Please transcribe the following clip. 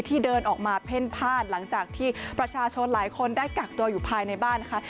เดินออกมาเพ่นพลาดหลังจากที่ประชาชนหลายคนได้กักตัวอยู่ภายในบ้านนะคะ